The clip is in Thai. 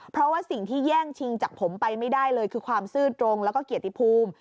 เพราะว่าสิ่งที่แย่งชิงจากผมไปไม่ได้เลยคือความซื่อตรงแล้วก็เกียรติภูมิ